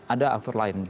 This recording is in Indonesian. ada aktor lain